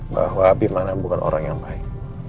bahwa birman bukan orang yang baik